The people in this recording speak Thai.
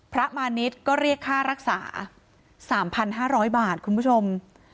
พระมณิชก็เรียกรักษา๓๕๐๐บาทคุณผู้ชม